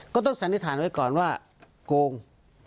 ก็ต้องสันิทานไว้ก่อนว่าโกง